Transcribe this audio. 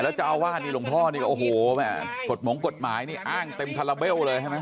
เจ้าอาวาสนี่หลวงพ่อนี่ก็โอ้โหแม่กฎหมงกฎหมายนี่อ้างเต็มคาราเบลเลยใช่ไหม